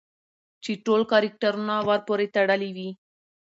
چې ټول کرکټرونه ورپورې تړلي وي